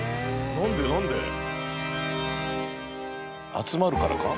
集まるからか？